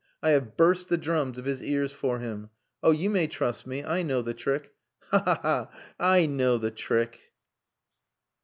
I have burst the drums of his ears for him. Oh, you may trust me. I know the trick. Ha! Ha! Ha! I know the trick."